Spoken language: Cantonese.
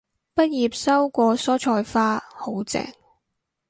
畢業收過蔬菜花，好正